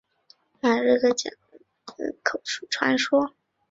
马格瑞的记述大概来自口述传说。